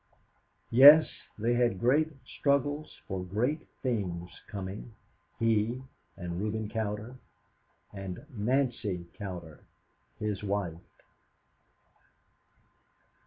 Yes, they had great struggles for great things coming, he and Reuben Cowder, and Nancy Cowder his wife.